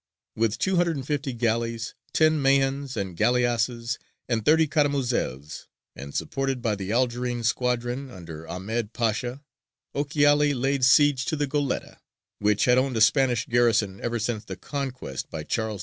With two hundred and fifty galleys, ten mahons or galleasses, and thirty caramuzels, and supported by the Algerine squadron under Ahmed Pasha, Ochiali laid siege to the Goletta, which had owned a Spanish garrison ever since the conquest by Charles V.